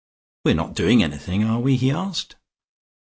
"We're not doing anything, are we?" he asked.